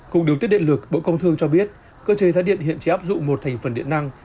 cùng điều tiết điện lực bộ công thương cho biết cơ chế giá điện hiện chỉ áp dụng một thành phần điện năng